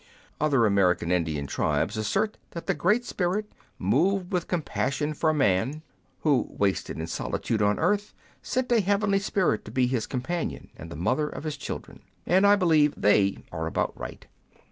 Other American Indian tribes assert that the Great Spirit, moved with compassion for man, who I 113 Curiosities of Olden Times wasted in solitude on earth, sent a heavenly spirit to be his companion, and the mother of his children. And I believe they are about right.